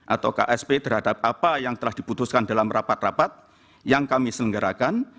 atau ksp terhadap apa yang telah diputuskan dalam rapat rapat yang kami selenggarakan